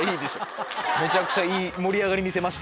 めちゃくちゃいい。